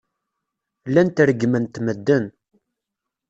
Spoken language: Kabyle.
Llant reggment medden.